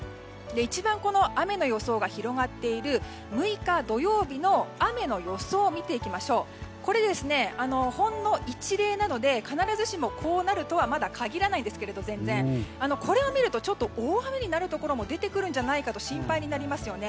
一番雨の予想が広がっている６日、土曜日の雨の予想を見ていきますがこちらはほんの一例なので必ずしも、こうなるとはまだ限らないんですがこれを見ると大雨になるところも出てくるんじゃないかと心配になりますよね。